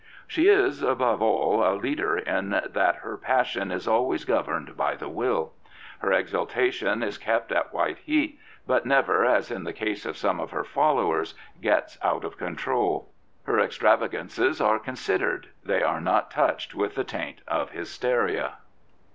" She is, above all, a leader in that her passion is always governed by the will. Her exalta tion is kept at white heat, but never, as in the case of some of her followers, gets out of control. Her extravagances are considered: they are not touched with the taint of hysteria.